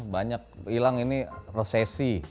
banyak hilang ini resesi